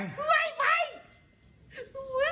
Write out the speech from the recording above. ไม่ไป